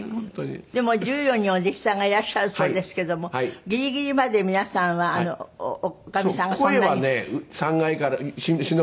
でも１４人お弟子さんがいらっしゃるそうですけどもギリギリまで皆さんは女将さんがそんなに。